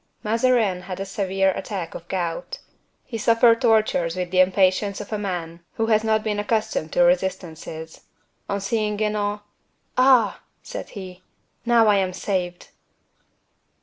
Mazarin had a severe attack of gout. He suffered tortures with the impatience of a man who has not been accustomed to resistances. On seeing Guenaud: "Ah!" said he; "now I am saved!"